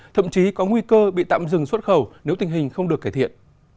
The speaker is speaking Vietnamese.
thậm chí có nguy cơ bị tạm dừng xuất khẩu nếu tình hình không được cải thiện